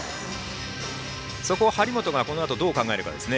そこを張本が今後、どう考えるかですね。